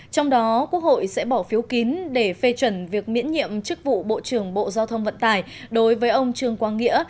trong đó quốc hội sẽ bỏ phiếu kín để phê chuẩn việc miễn nhiệm chức vụ bộ trưởng bộ giao thông vận tải đối với ông trương quang nghĩa